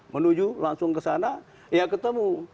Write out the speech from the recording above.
menuju langsung ke sana ya ketemu